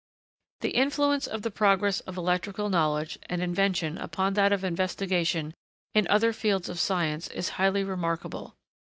The influence of the progress of electrical knowledge and invention upon that of investigation in other fields of science is highly remarkable.